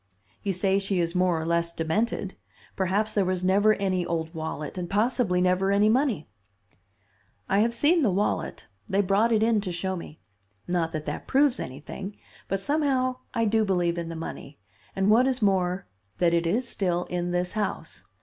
You say she is more or less demented. Perhaps there never was any old wallet, and possibly never any money." "I have seen the wallet. They brought it in to show me. Not that that proves anything; but somehow I do believe in the money, and, what is more, that it is still in this house.